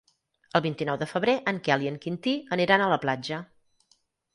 El vint-i-nou de febrer en Quel i en Quintí aniran a la platja.